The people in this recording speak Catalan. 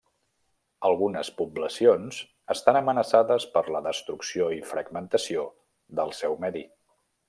Algunes poblacions estan amenaçades per la destrucció i fragmentació del seu medi.